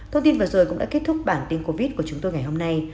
thông tin vừa rồi cũng đã kết thúc bản tin covid của chúng tôi ngày hôm nay